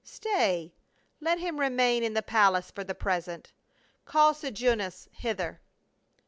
— Stay, let him remain in the palace for the present. Call Sejanus hither."